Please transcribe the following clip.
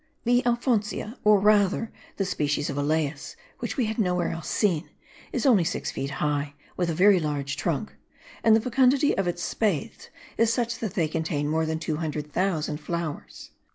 The Alfonsia, or rather the species of Elais, which we had nowhere else seen, is only six feet high, with a very large trunk; and the fecundity of its spathes is such that they contain more than 200,000 flowers.